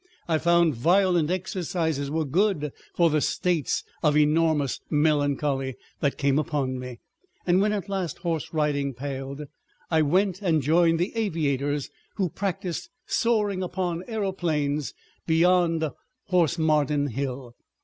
I found violent exercises were good for the states of enormous melancholy that came upon me, and when at last horse riding palled, I went and joined the aviators who practised soaring upon aeroplanes beyond Horsemarden Hill.